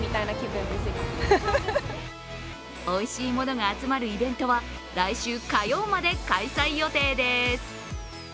おいしいものが集まるイベントは来週火曜まで開催予定です。